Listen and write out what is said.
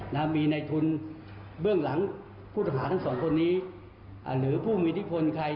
แล้วมีในทุนเบื้องหลังผู้ทักษะทั้งสองหรือผู้มีนิคบรรยีใคร